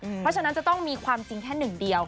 เพราะฉะนั้นจะต้องมีความจริงแค่หนึ่งเดียว